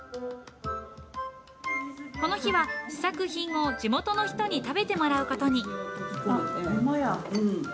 この日は、試作品を地元の人に食べてもらうことに。